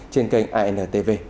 trên kênh antv